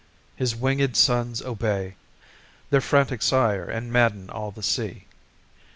His winged sons obey Their frantic sire, and madden all the sea.